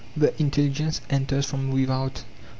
The intelligence enters from without. iv.